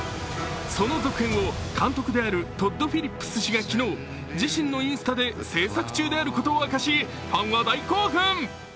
その続編を監督であるトッド・フィリップス氏が、昨日、自身のインスタで製作中であることを明かしファンは大興奮！